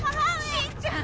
しんちゃん！